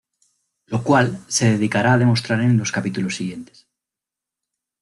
Lo cual, se dedicará a demostrar en lo capítulos siguientes.